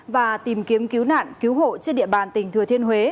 và tìm kiếm cứu nạn cứu hộ trên địa bàn tỉnh thừa thiên huế